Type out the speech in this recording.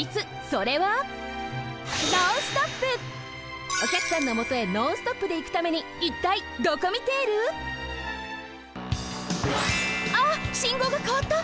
それはおきゃくさんのもとへノンストップでいくためにいったいドコミテール？あっ信号がかわった！